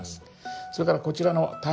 それからこちらのタイム。